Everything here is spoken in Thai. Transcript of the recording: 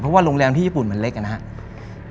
เพราะว่าโรงแรมที่ญี่ปุ่นมันเล็กนะครับ